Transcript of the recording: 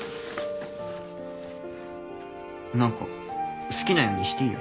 何か好きなようにしていいよ。